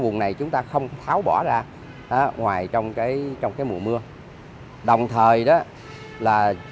vùng này chúng ta không tháo bỏ ra thì ở ngoài trong cái trong cái mùa mưa đồng thời đó là